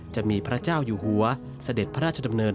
จะมีพระเจ้าอยู่หัวเสด็จพระราชดำเนิน